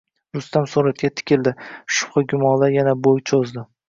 Rustam suratga uzoq tikildi, shubha-gumonlar yana bo`y cho`zdi